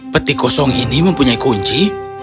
peti kosong ini mempunyai kunci